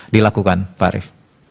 dilakukan pak arief